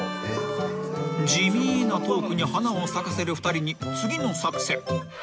［地味なトークに花を咲かせる２人に次の作戦］